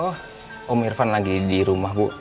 oh om irfan lagi di rumah bu